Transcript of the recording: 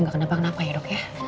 gak kenapa kenapa ya dok ya